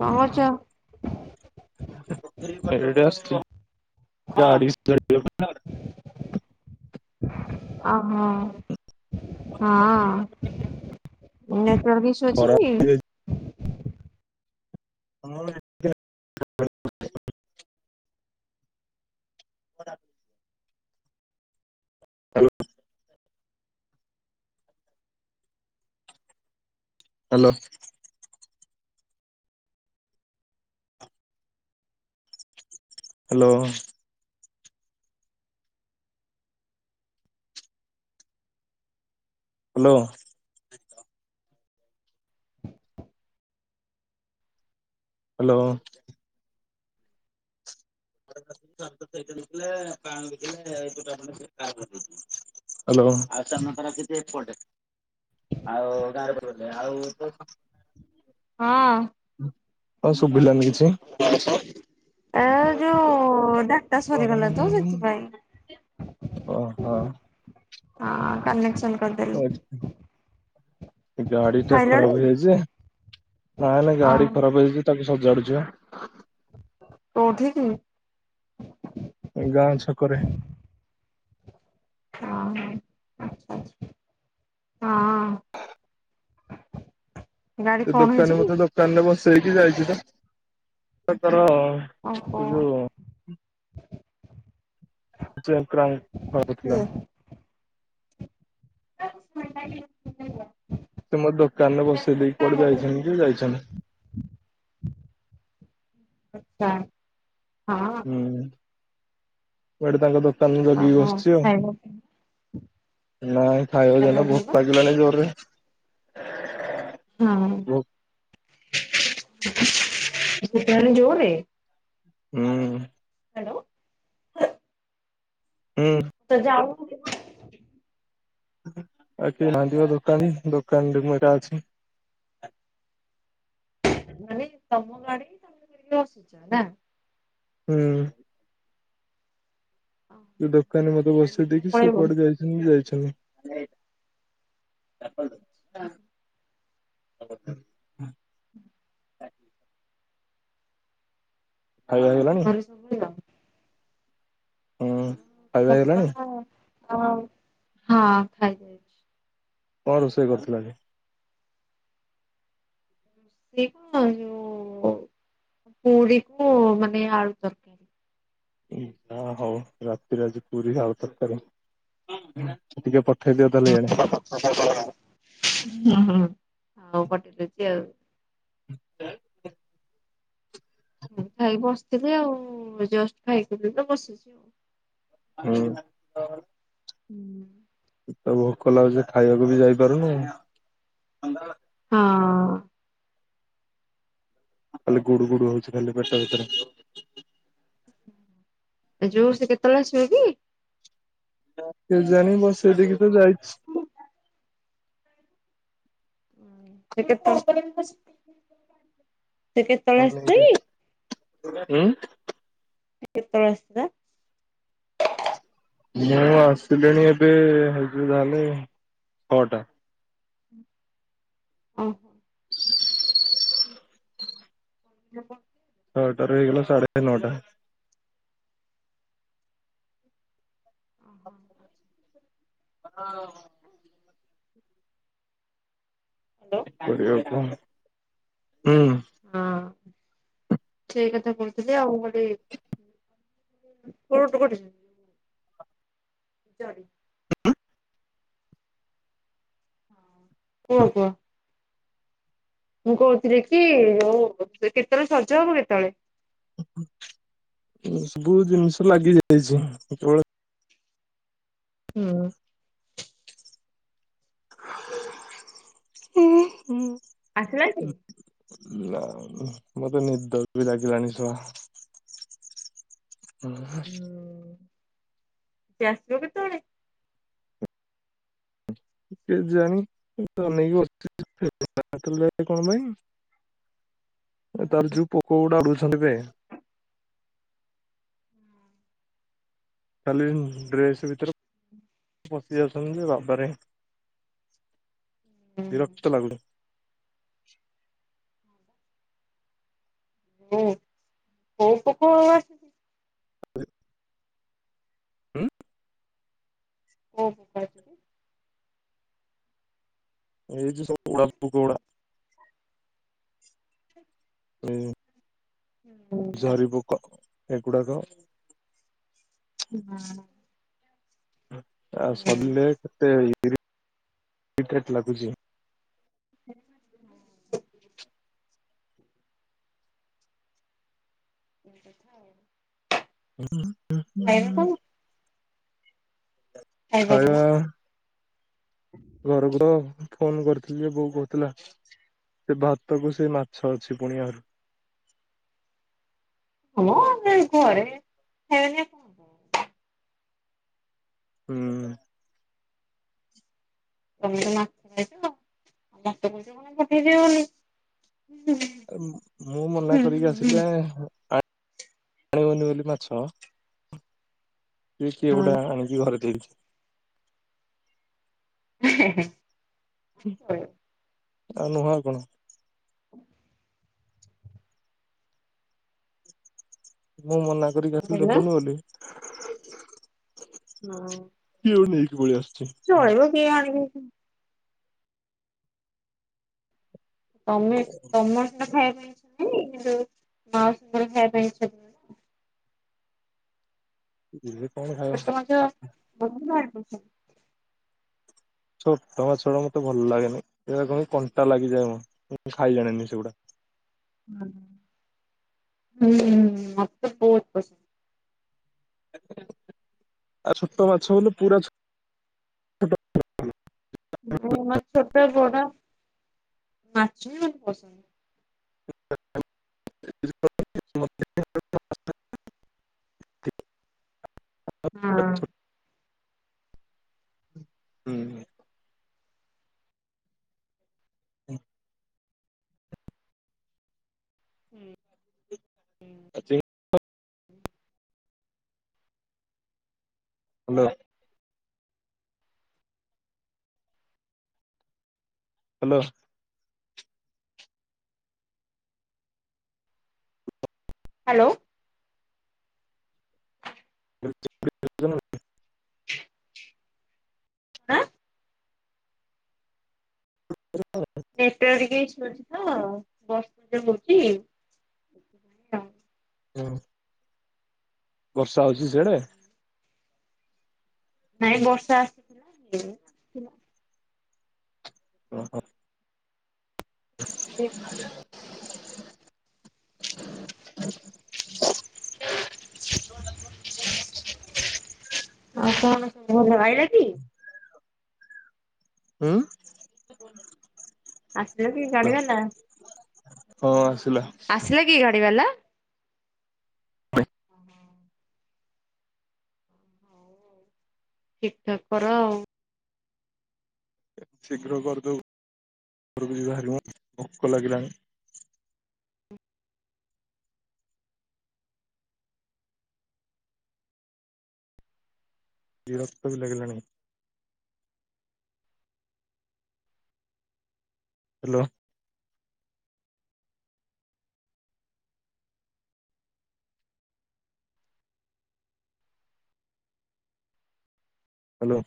କଣ କରୁଛ? ଆସଛି। [inaudible] ଡ଼ି [unintelligible] ଅ ହୋ। ହଁ। [unintelligible] ରବିଶ ଖରା ଅଛିକି? ହ୍ୟାଲୋ। ହଁ [unintelligible] [inaudible] ହା [unintelligible] hello. Hello. Hello. Hello. Hello ଆଉ ଏପଟେ ଆଉ ଆଉ [unintelligible] ହଁ। ହଁ ଶୁଭିଲାନି କିଛି। ଏ ଯୋଉ ଓ ଡାଟା ସରିଗଲା ତ ସେଥିପାଇଁ। ଓହୋ। ହଁ କନେକ୍ସନ୍ ଗାଡି ଟା ଖାଇଲଣି? ଖରାପ ହେଇଯାଇଛି ନାଇଁ ନାଇଁ ଗାଡି ଓହୋ ଖରାପ ହେଇଯାଇଛି ତାକୁ ସଜାଡୁଛି ବା । ତ କଉଠିକିଥିବି ଏ ଗାଁ ଛକରେ ଛକରେ। ହଁ ହଛଛ ହଁ ଗାଡି କଣ ହେଇଛି ଦୋକାନୀ ମେ କି? ଦୋକାନରେ ବସ ସେଇଟି ଯାଇଛି ତ-ତାଙ୍କର ଅ ଓହୋ। ଜପାମ [inaudible] ଅଳପଥିଲା। କିଏ? ା [unintelligible] ସେ ମୋ ଦୋକାନରେ ବସେଇ ଦେଇେଇ କୁଆଡେ ହଁ ଯାଇଛନ୍ତି କି ଯାଇଛନ୍ତି। କା ହୁଁ [inaudible] କୁଆଡେ ତାଙ୍କ ଦାନ ଜଗିକି ବସିଛି ଆଉ ନାଇଁ ଖାଇବା ଜନ ଭୋକ ଲାଗିଲାନି ଜୋରରେ ହ [inaudible] ହଁ [unintelligible] ସୁଟଣ ଯୋରରେ ହୁଁ ଉଁ ହ୍ୟାଲୋ। ହୁଁ ତ ଯ [inaudible] ଆ କି ବାଧିବା ଦୋକାନୀ ଦୋକାନରେ ମୁ ଏଟା ଅଛି, ନାନ ତମ କାଡ଼ ତମିଲ କରିରି ଯସଚ ନା ହୁଁ ସେ ଦୋକାନୀ ମତେ ମାନେ ବସେଇ ଏଇଖିନା ଦେଇକି ସେ ପଳେଇବ କୁଆଡେ ଯାଇଛନ୍ତି ଯାଇ [unintelligible] ହୁଁ [inaudible] ଆ [inaudible] ଖାଇବା ଆ ହେଇଗଲାଣି ମର ସଭଳି ଆ [inaudible] ହୁଁ ଖାଇବା ହେଇଗଲାଣି ହ ହଁ ଖାଇଛି, କଣ ରୋଷେଇ କରୁଥିଲା କି କ ଯଉ ପୁରିକୁ ମାନେ ଆଳୁ ତରକାରୀ ଯାହା ହଉ ରାତିରେ ଆଜି ପୁରୀ ଆଳୁ ତରକାରୀ ଟିକେ ପଠେଇଦିଅ ତାହେଲେ ହ ଇଆଡେ ହ ହ [inaudible] ହଉ ପଟିଲଛି ଆଉ [unintelligible] ଁ ଖାଇକ ବସିଥିଲି ଆଉ ଜଷ୍ଟ ଖାଇକି ବସିଛି ଆଉ ହଁ ହୁଁ [inaudible] ତ ଭୋକ ଲାଗୁଛି ଖାଇବାକୁ ବି ଯାଇପାରୁନି। ହଁ ଖାଲି ଗୁଡୁ ଗୁଡୁ ହଉଛି ଖାଲି ପେଟ ଭିତରେ। ଯୋଉ ସେ କେତେବେଳେ ଆସିବ କି? [unintelligible] କେ ଜାଣି ବସେଇଦେଇ କିି ତ ଯାଇଛି। ହୁଁ ସେ କେ ତୁ କେତେବେଳେ ଆସିଥିଲୁ କି? ଉଁ। ସେ କେତୋଳେ ଆସିଥିଲା? ମୁଁ ଆସିଲିଣି ଏବେ ହେଇଯିବ ଯାହା ହେଲେ ଛଅଟା। ଓହୋ। [inaudible] ଉଁ ଆପଣ ଛଅଟାରୁ ହେଇଗଲା ସାଢେ ନଅଟା। ଓ ହୋ ଆଚ୍ଛା। ହଁ। କରିବା କଣ? ହୁଁ। ସେଇ କଥା କୋହୁଥିଲି ଆଉ ମୁଁ କଲି କୋଉଟୁ କରିବି? ଜରି। କୁହ କୁହ। ମୁଁ କୋହୁଥିଲି କି ହଉ କେତେବେଳେ ସଜ ହବ କେତେବେଳେ? ଉଁ ଏ ସବୁ ଜିନିଷ ଲାଗି ଯାଇଚି ଯେତୋଳେ ହୁଁ। ଉଁ ହୁଁ। ଆସିଲା କି? ଲାଉ ମତେ ନିଦ ବି ଲାଗିଲାଣି ସଳା ଉଁ ହୁଁ। ସିଏ ଆସିବ କେତୋଳେ? କେଜାଣି [inaudible] ଅନେଇକି ବସଚି [inaudible] ଲେ କଣ ମାଇଁ? ଆ ତାର ଯୋଉ ପୋକଉଡ଼ା ଭୁସନ୍ଦିବେ। ଖାଲି ଡ୍ରେସ୍ ଭିତରେ ପଶି ଯାଉଛନ୍ତି ଯେ ବାବାରେ। ବିରକ୍ତ ଲାଗୁନି। ବୋହୁତ୍ ବୋହୁତ୍ କଥା ଆସୁଚି? [unintelligible] ଉଁ। ଓ [unintelligible] ଏଇ ଯୋଉ ସବୁ [inaudible] ହୁଁ। ଜରିି ପୋକ। ଏଗୁଡ଼ାକ ନାଁ। ଆଚ୍ଛା ସରିଲେ କେତେ ତିରି ଟିକେଟ ଲାଗୁଚି। [inaudible] ଏ କଥା ଆଉ। [unintelligible] ଖାଇବ ତମେ? [inaudible] ଖାଇବା ଘରକୁର ଫୋନ କରିଥିଲି ଯେ ବୋଉ କହୁଥିଲା ସେ ଭାତ କ ସେ ମାଛ ଅଛି ପୁଣି ଆରୁ ହଁ ଆ ଘରେ ସେ କବ ହୁଁ। ତମେ ମାଛଉଛ କ ପଠେଇଦଅ ବୋଲି। କଣ ମୁଁ ମନା କରିକି ଆସିଲେ ପାଣିୱଲି ମାଛ ସେ ଏଟା ଆଣିିକି ଘରେ ଦେଇଛି। [inaudible] ଆଉ ନୁହ କଣ? ମୁଁ ମନା କରିକି ଆସ କହିଲ ଦେବନି ବୋଲି। ହଁ। ନେଇକିରି ଆସ ଚଳେଇବ କିଏ ଆଣିକିରି। [unintelligible] ତମେ ତମାଟୋ ଖାଇବା [inaudible] ଇଏ କଣ ଖାଇବ ଛୋଟ ମାଛ ବ [inaudible] ଛୋଟ ବା ଛୋଟ ମତେ ଭଲ ଲାଗେନି କଣ କଣ୍ଟା ଲାଗିଯାଏ ମୁ ଖାଇ ଜାଣନି ସେଗୁଡା। ହ ହଁ ମତେ ବହୁତ ପସନ୍ଦ। ଆ ଛୋଟ ମାଛ ହେଲେ ପୁରା ଛୋ ମୁ ମ ଛୋଟ ବଡ ମାଛ ପସନ୍ଦ। [inaudible] ହଁ। ହୁଁ। ହୁଁ। ହୁଁ। [inaudible] ହେଲୋ। ହ୍ୟାଲୋ। ହ୍ୟାଲୋ। [inaudible] [unintelligible] ଆଁ [unintelligible] ନେଟ ଟିକେ ଶୁୁଛି ତ ବର୍ଷ ପଜ ହ ଛି ସେଥିପାଇଁ ହୁଁ ବର୍ଷା ହଉଛି ସେଆଡେ ନାଇଁ ବର୍ଷା ଆସିଥିଲା। ଏଇନା ଆସିଥିଲା ଓହୋ [unintelligible] [inaudible] [unintelligible] ଆଉ କଣ ଭଲ ଭାଇିଲ କି। ହୁଁ ଆସିଲ କି [inaudible] ବାଲା ହଁ। ଆସିଲ କି ଗ ପିବଲା ଓ ହୋ। ଠିକ ଠାକ କର ଆଉ। ଶୀଘ୍ର କରିଦଉ ଘ ଯହାରିବୁ ଭୋକ ଲାଗିଲାଣି। ବରତ ବି ଲାଗିଲଣି। ହ୍ୟାଲୋ। ହ୍ୟାଲୋ।